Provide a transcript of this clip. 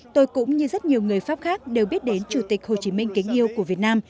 tôi cũng như rất nhiều người pháp khác đều biết đến chủ tịch hồ chí minh kính yêu của việt nam